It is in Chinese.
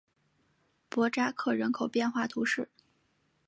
博扎克人口变化图示